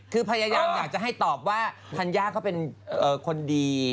คือพายอย่างอยากจะให้ตอบว่าทันยาก็เป็นคนดี